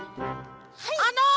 あの！